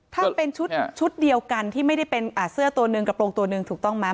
ถ้าเป็นชุดเดียวกันที่ไม่ได้เป็นเสื้อตัวหนึ่งกระโปรงตัวหนึ่งถูกต้องไหม